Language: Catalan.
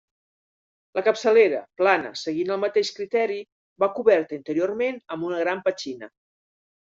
La capçalera, plana, seguint el mateix criteri, va coberta interiorment amb una gran petxina.